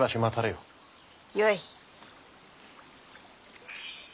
よい。